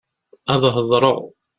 Ad hedṛeɣ.